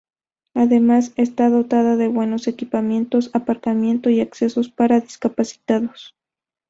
Además está dotada de buenos equipamientos, aparcamiento y accesos para discapacitados.